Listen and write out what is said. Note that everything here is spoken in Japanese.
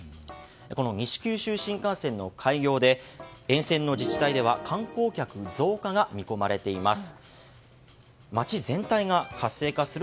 この西九州新幹線の開業で沿線の自治体では観光客増加が見込まれています。